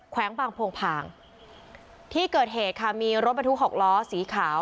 วงบางโพงพางที่เกิดเหตุค่ะมีรถบรรทุกหกล้อสีขาว